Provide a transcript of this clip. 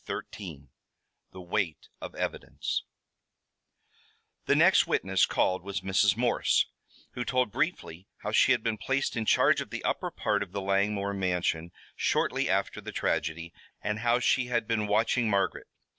CHAPTER XIII THE WEIGHT OF EVIDENCE The next witness called was Mrs. Morse, who told briefly how she had been placed in charge of the upper part of the Langmore mansion shortly after the tragedy, and how she had been watching Margaret.